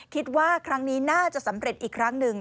คิดว่าครั้งนี้น่าจะสำเร็จอีกครั้งหนึ่ง